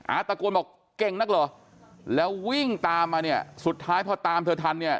ตะโกนบอกเก่งนักเหรอแล้ววิ่งตามมาเนี่ยสุดท้ายพอตามเธอทันเนี่ย